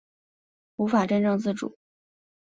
无法真正自主